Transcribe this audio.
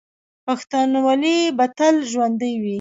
پښتونولي به تل ژوندي وي.